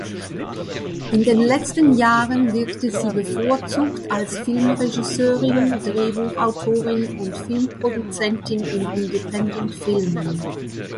In den letzten Jahren wirkte sie bevorzugt als Filmregisseurin, Drehbuchautorin und Filmproduzentin in Independentfilmen.